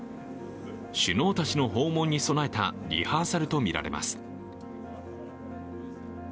首脳たちの訪問に備えたリハーサルとみられます。